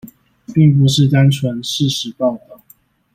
並不是單純事實報導